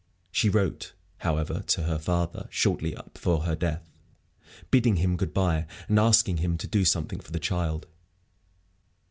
She wrote, however, to her father, shortly before her death, bidding him good bye, and asking him to do something for the child.